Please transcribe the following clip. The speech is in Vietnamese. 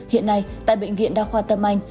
hiện nay tại bệnh viện đa khoa tâm anh